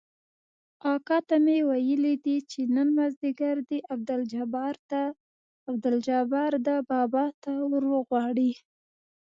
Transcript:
اکا ته مې ويلي دي چې نن مازديګر دې عبدالجبار ده بابا ته وروغواړي.